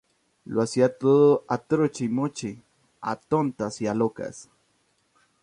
Lo hacía todo a troche y moche, a tontas y a locas